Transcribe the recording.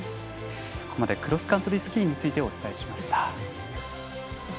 ここまでクロスカントリースキーについてお伝えしました。